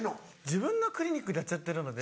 自分のクリニックでやっちゃってるので。